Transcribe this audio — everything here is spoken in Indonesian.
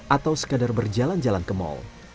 atau sekadar berjalan jalan ke mal